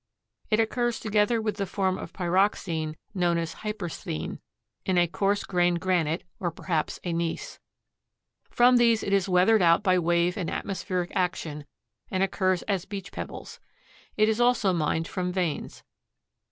It occurs together with the form of pyroxene known as hypersthene, in a coarse grained granite, or perhaps a gneiss. From these it is weathered out by wave and atmospheric action and occurs as beach pebbles. It is also mined from veins.